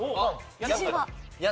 自信は？